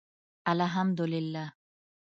الحمدالله